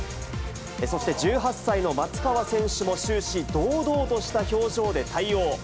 そして、１８歳の松川選手も終始、堂々とした表情で対応。